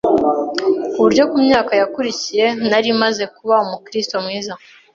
ku buryo ku myaka yakurikiye nari maze kuba umukrito mwiza